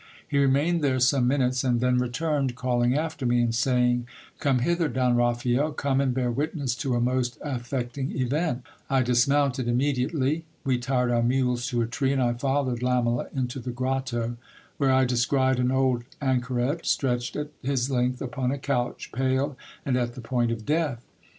He remained there some minutes, and then returned, calling after me, and saying, Come hither, Don Raphael, come and bear witness to a most affecting event. I dismounted immediately. We tied our mules to a tree, and I followed Lamela into the grotto, where I descried an old anchoret stretched at his length upon a couch, pale and at the point of death.